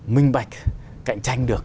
minh bạch cạnh tranh được